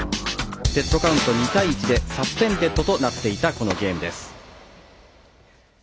セットカウント２対１でサスペンデッドとなっていたこのゲームです。